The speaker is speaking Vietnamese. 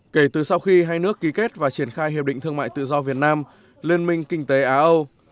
kể từ sau khi hai nước ký kết và triển khai hiệp định thương mại tự do việt nam liên minh kinh tế á âu